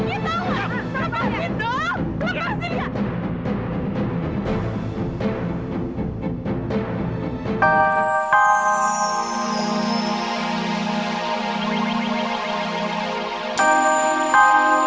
itu adalah balasan yang setimpal untuk sikap kurang ajar kamu tadi winona